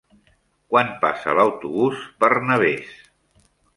Quan passa l'autobús per Navès?